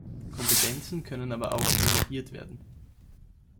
Kompetenzen können aber auch delegiert werden.